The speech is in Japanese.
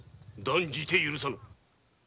断じて許さぬ！